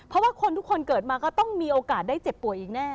เพราะว่าคนทุกคนเกิดมาก็ต้องมีโอกาสได้เจ็บป่วยอีกแน่